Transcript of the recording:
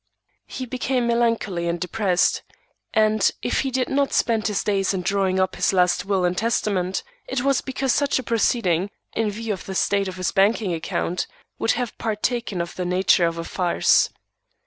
He became melancholy and depressed; and, if he did not spend his days in drawing up his last will and testament, it was because such a proceeding in view of the state of his banking account would have partaken of the nature of a farce.